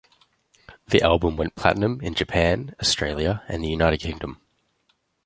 The album went platinum in Japan, Australia, and the United Kingdom.